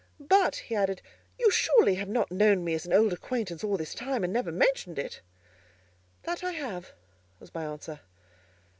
But," he added, "you surely have not known me as an old acquaintance all this time, and never mentioned it." "That I have," was my answer.